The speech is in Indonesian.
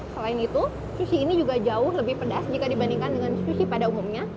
selain itu sushi ini juga jauh lebih pedas jika dibandingkan dengan sushi pada umumnya